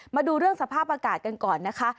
มาดูเรื่องสภาพอากาศกันก่อนนะคะ